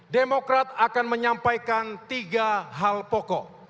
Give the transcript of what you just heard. demokrat akan menyampaikan tiga hal pokok